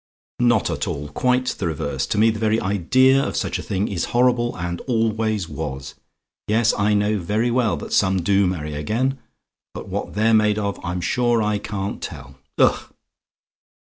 "Not at all; quite the reverse. To me the very idea of such a thing is horrible, and always was. Yes, I know very well that some do marry again but what they're made of I'm sure I can't tell. Ugh!